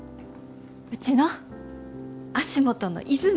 うちの足元の泉！